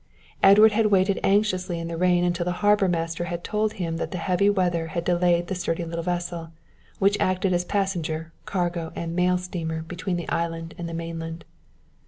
Edward had waited anxiously in the rain until the harbour master had told him that the heavy weather had delayed the sturdy little vessel, which acted as passenger, cargo and mail steamer between the island and the mainland.